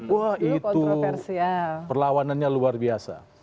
wah itu perlawanannya luar biasa